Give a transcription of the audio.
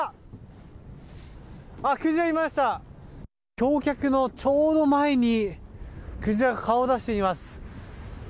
橋脚のちょうど前にクジラが顔を出しています。